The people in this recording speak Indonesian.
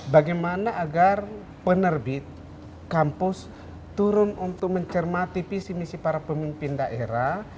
bagaimana agar penerbit kampus turun untuk mencermati visi misi para pemimpin daerah